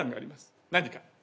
何か。